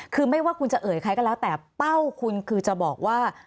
คือไม่ว่าคุณจะเอ่ยใครก็แล้วแต่เป้าคุณคือจะบอกว่า